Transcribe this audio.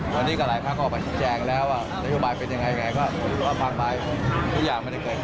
ปันดายเวชาชิวา